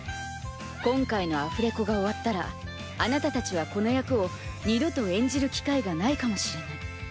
今回のアフレコが終わったらあなたたちはこの役を二度と演じる機会がないかもしれない。